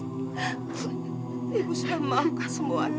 ibu sudah memaafkan semuanya